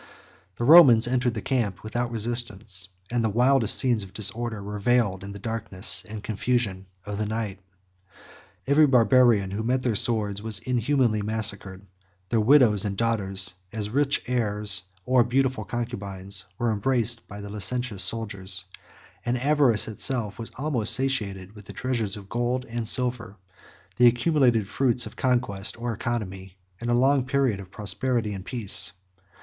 The Romans entered the camp without resistance; and the wildest scenes of disorder were veiled in the darkness and confusion of the night. Every Barbarian who met their swords was inhumanly massacred; their widows and daughters, as rich heirs, or beautiful concubines, were embraced by the licentious soldiers; and avarice itself was almost satiated with the treasures of gold and silver, the accumulated fruits of conquest or economy in a long period of prosperity and peace.